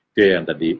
itu yang tadi